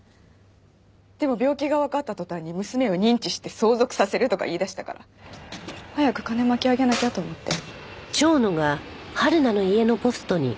でも病気がわかった途端に娘を認知して相続させるとか言い出したから早く金巻き上げなきゃと思って。